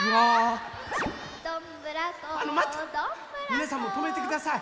みなさんもとめてください！